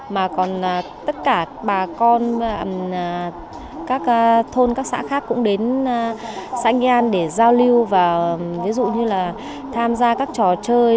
mà còn tất cả bà con các thôn các xã khác cũng đến xã nghệ an để giao lưu và ví dụ như là tham gia các trò chơi